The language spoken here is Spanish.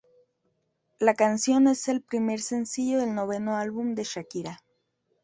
La canción es el primer sencillo del noveno álbum de Shakira.